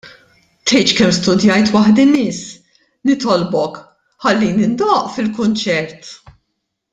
Tgħidx kemm studjajt waħdi, Miss. Nitolbok, ħallini ndoqq fil-kunċert.